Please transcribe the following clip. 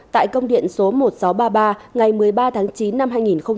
tại công điện số một nghìn sáu trăm ba mươi ba ngày một mươi ba tháng chín năm hai nghìn một mươi tám